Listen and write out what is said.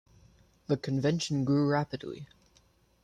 The convention grew rapidly.